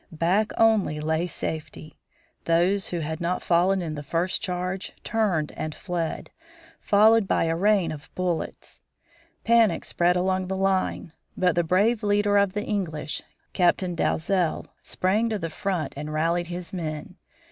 Back only, lay safety. Those who had not fallen in the first charge turned and fled, followed by a rain of bullets. Panic spread along the line. But the brave leader of the English, Captain Dalzel, sprang to the front and rallied his men.